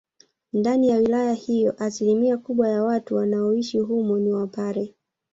Ndani ya wilaya hiyo asilimia kubwa ya watu wanaoishi humo ni wapare